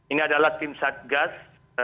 ini adalah tim satgas